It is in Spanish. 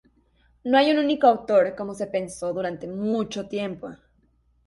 No hay un único autor, como se pensó durante mucho tiempo.